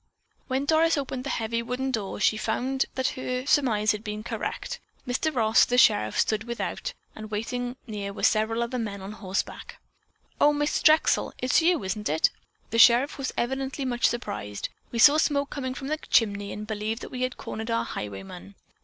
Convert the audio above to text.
When Doris opened the heavy wooden door, she found that her surmise had been correct. Mr. Ross, the sheriff, stood without, and waiting near were several other men on horseback. "Oh. Miss Drexel, it's you, is it?" The sheriff was evidently much surprised. "We saw smoke coming from the chimney and believed that we had cornered our highwayman.